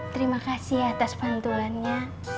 terima kasih atas bantuannya